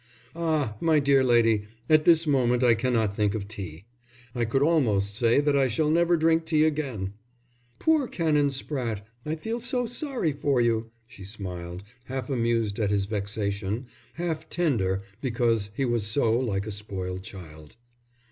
"Ah, my dear lady, at this moment I cannot think of tea. I could almost say that I shall never drink tea again." "Poor Canon Spratte, I feel so sorry for you," she smiled, half amused at his vexation, half tender because he was so like a spoiled child.